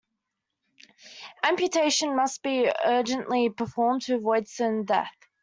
Amputation must be urgently performed to avoid certain death.